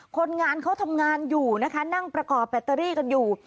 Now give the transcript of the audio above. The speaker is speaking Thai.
คนงานเขาทำงานอยู่นะคะนั่งประกอบแบตเตอรี่กันอยู่